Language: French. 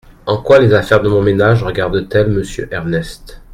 En quoi les affaires de mon ménage regardent-elles Monsieur Ernest ?